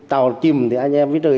tàu chìm thì anh em mới rời